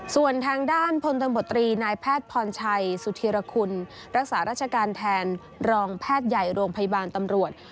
ส่วนทางด้านพลตำรวจตรีนายแพทย์พรชัยสุธิรคุณรักษาราชการแทนรองแพทย์ใหญ่โรงพยาบาลตำรวจ